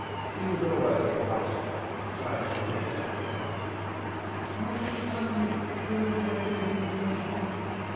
She was always impulsive, save to me sometimes. ŌĆśI was just wondering where we were going to get any fresh meat.